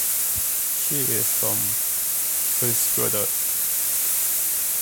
She is from Uzhgorod.